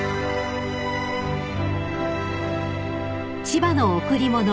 ［『千葉の贈り物』］